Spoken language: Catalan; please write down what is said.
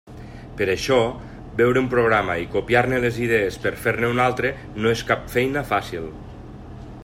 Per això, veure un programa i copiar-ne les idees per fer-ne un altre no és cap feina fàcil.